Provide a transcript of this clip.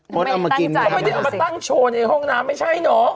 เฮ้าต์เอามากินไม่ได้เอามาตั้งโชว์ในห้องน้ำไม่ใช่เนอะ